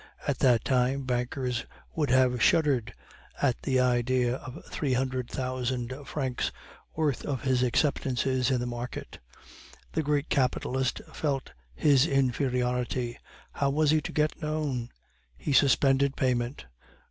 At that time bankers would have shuddered at the idea of three hundred thousand francs' worth of his acceptances in the market. The great capitalist felt his inferiority. How was he to get known? He suspended payment.